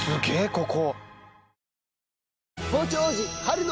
ここ。